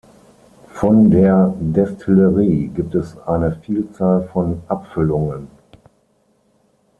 Von der Destillerie gibt es eine Vielzahl von Abfüllungen.